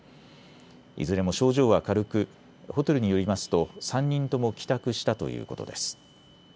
いずれも症状は軽くホテルによりますと３人とも帰宅したということです。